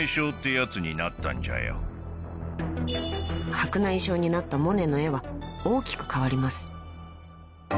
［白内障になったモネの絵は大きく変わります］